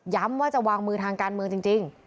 ว่าจะวางมือทางการเมืองจริง